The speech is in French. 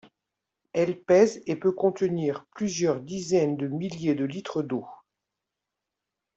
Elle pèse et peut contenir plusieurs dizaines de milliers de litres d'eau.